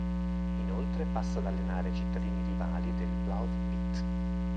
Inoltre passa ad allenare i cittadini rivali del Blauw-Wit.